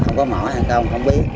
không biết là có mỏ hay không không biết